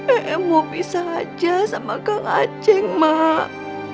emu bisa aja sama kang acek mak